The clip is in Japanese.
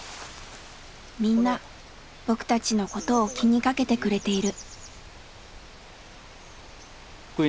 みんな僕たちのことを気にかけてくれている。